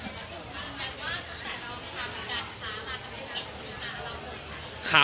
คือตั้งแต่ไม่พยายามกล้าค้ามา